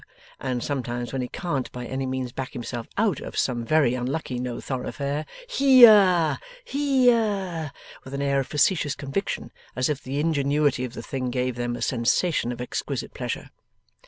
and sometimes, when he can't by any means back himself out of some very unlucky No Thoroughfare, 'He a a r He a a r!' with an air of facetious conviction, as if the ingenuity of the thing gave them a sensation of exquisite pleasure.